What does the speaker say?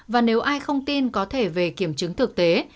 và nếu ai không tin có thể về kiểm chứng thực tế